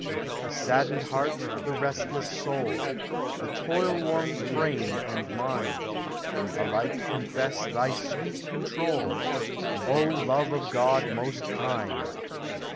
The saddened heart, the restless soul, The toil worn frame and mind, Alike confess thy sweet control, O Love of God most kind!